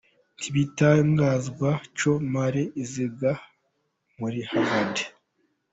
Ntibiratangazwa icyo Malia aziga muri Harvard.